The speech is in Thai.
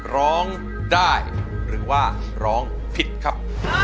ร้องได้หรือว่าร้องผิดครับ